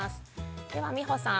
では、美穂さん